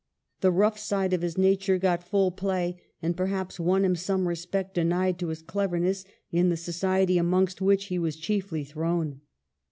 The rough side of his nature got full play, and perhaps won him some respect denied to his cleverness, in the society amongst which he was chiefly thrown.